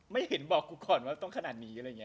ไม่เห็นเกี่ยวกับคุณก่อนว่าต้องขนาดนี้